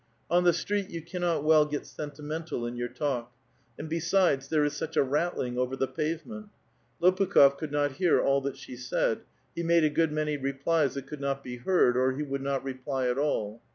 On the street you cannot well get sentimental in your talk. And besides, there is such a rattling over the pave ment. Lopukh6f could not hear all that she said ; he made a good many replies that could not be heard, or he would not reply at all.